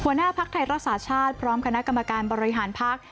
หัวหน้าภักษณ์ไทยรักษาชาติพร้อมคณะกรรมการบริหารภักษณ์